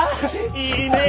いいねェ